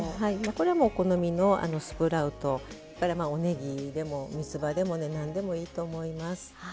これはもうお好みのスプラウトそれからおねぎでもみつばでもね何でもいいと思います。